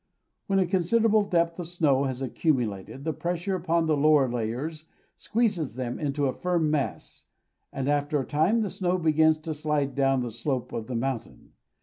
When a considerable depth of snow has accumulated, the pressure upon the lower layers squeezes them into a firm mass, and after a time the snow begins to slide down the slope of the mountain.